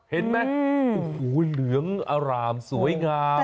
เห็นไหมเหลืองอารามสวยงาม